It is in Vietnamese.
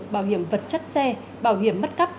bảo hiểm vật chất xe bảo hiểm bất cấp